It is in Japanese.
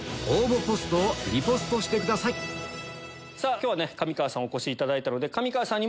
今日は上川さんお越しいただいたので。